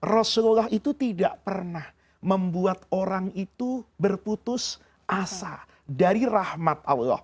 rasulullah itu tidak pernah membuat orang itu berputus asa dari rahmat allah